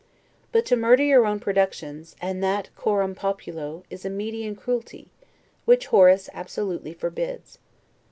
But to murder your own productions, and that 'coram Populo', is a MEDEAN CRUELTY, which Horace absolutely forbids.